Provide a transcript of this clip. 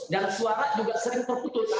dan suara juga sering terputus